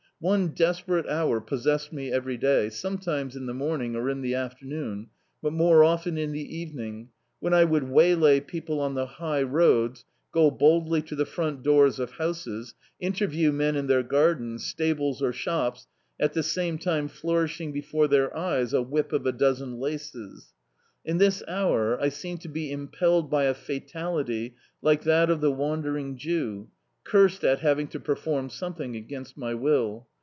One desperate hour pos sessed me every day, sometimes in the morning, or in the afternoon, but more often in the evening, when I would waylay people on the high roads, go boldly to the front doors of houses, interview men in their gardens, stables or shops at the same time flourishing before their eyes a whip of a dozen laces. In this hour I seemed to be impelled by a fatality like that of the wandering Jew, cursed at having to perform something against my will.